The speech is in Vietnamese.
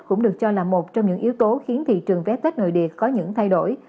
cũng được cho là một trong những yếu tố khiến thị trường vé tết nội địa có những thay đổi